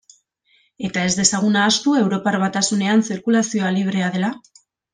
Eta ez dezagun ahaztu Europar Batasunean zirkulazioa librea dela?